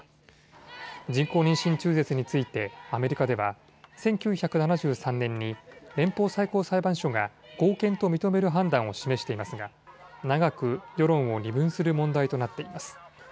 人工妊娠中絶についてアメリカでは１９７３年に連邦最高裁判所が合憲と認める判断を示していますが長く世論を二分する問題となっています。